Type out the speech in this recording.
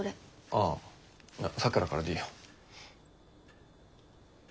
ああ咲良からでいいよ。